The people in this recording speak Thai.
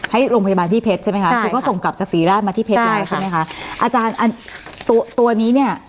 ให้โรงพยาบาลที่เพชรใช่ไหมคะคือเขาส่งกลับจากศรีราชมาที่เพชรแล้วใช่ไหมคะอาจารย์ตัวตัวนี้เนี่ย